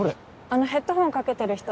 あのヘッドホンかけてる人。